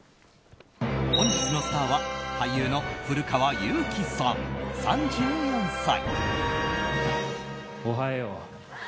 本日のスターは俳優の古川雄輝さん、３４歳。